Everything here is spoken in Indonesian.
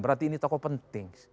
berarti ini tokoh penting